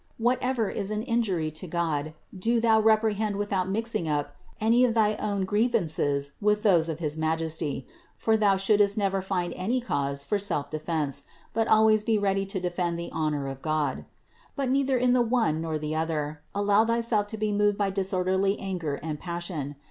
Whatever is an injury to God do thou reprehend without mixing up any of thy own grievances with those of his Majesty; for thou shouldst never find any cause for self defense, but always be ready to defend the honor of God. But neither in the one nor the other, allow thyself to be moved by disorderly anger and pas sion.